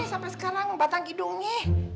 sampai sekarang batang hidungnya